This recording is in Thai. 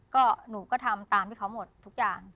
ก็หนูก็ทำตามที่เขาหมดทุกอย่าง